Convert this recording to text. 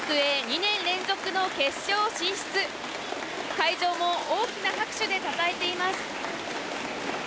会場も大きな拍手でたたえています。